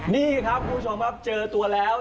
นี่ครับคุณผู้ชมครับเจอตัวแล้ว